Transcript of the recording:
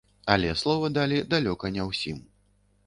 Але слова далі далёка не ўсім.